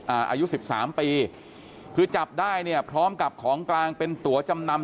อายุสิบสามปีคือจับได้เนี่ยพร้อมกับของกลางเป็นตัวจำนำ